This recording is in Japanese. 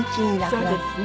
そうですね。